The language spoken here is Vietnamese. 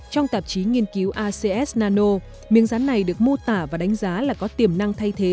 trong tạp chí nghiên cứu acs nano miếng rán này được mô tả và đánh giá là có tiềm năng thay thế